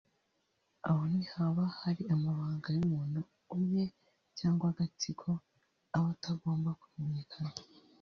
Aho nti haba hari amabanga y’umuntu umwe cyangwa agatsiko aba atagomba kumenyekana